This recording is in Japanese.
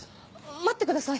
待ってください！